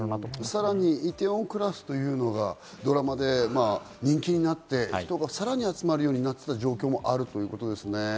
さらに『梨泰院クラス』というドラマが人気になって、人がさらに集まるようになっていた状況もあるようですね。